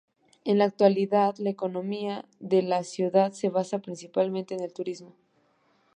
En la actualidad la economía de la ciudad se basa principalmente en el turismo.